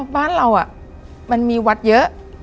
บ้านเรามันมีวัดเยอะ